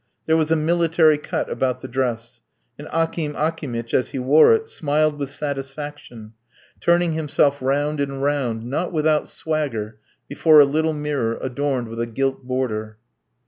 There was a military cut about the dress; and Akim Akimitch, as he wore it, smiled with satisfaction, turning himself round and round, not without swagger, before a little mirror adorned with a gilt border.